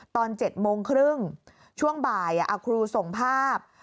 ตอน๗โมงครึ่งช่วงบ่ายครูส่งภาพ